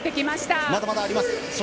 まだまだあります。